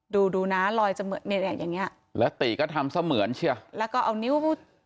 นี่ดูน่ารอยจะเหมือนเหมือนใช่แล้วนิ้ว